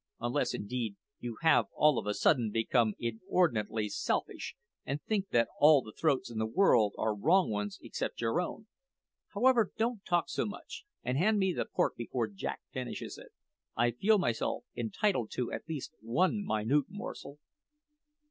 unless, indeed, you have all of a sudden become inordinately selfish, and think that all the throats in the world are wrong ones except your own. However, don't talk so much, and hand me the pork before Jack finishes it. I feel myself entitled to at least one minute morsel."